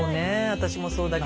私もそうだけど。